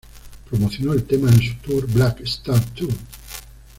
Promocionó el tema en su tour Black Star Tour.